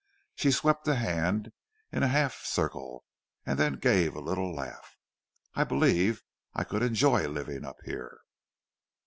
She swept a hand in a half circle, and then gave a little laugh. "I believe I could enjoy living up here."